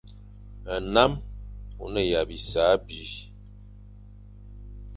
Nnam o ne ya bisa abi.